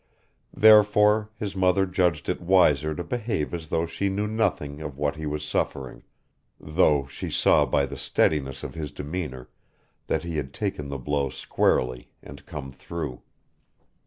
Therefore, his mother judged it wiser to behave as though she knew nothing of what he was suffering, though she saw by the steadiness of his demeanour that he had taken the blow squarely, and come through.